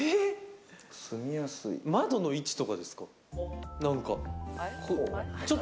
窓の位置とかですか？